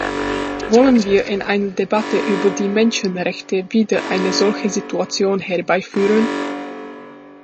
Wollen wir in einer Debatte über die Menschenrechte wieder eine solche Situation herbeiführen?